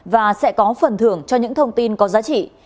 và sẽ có phần thưởng cho những thông tin có giá trị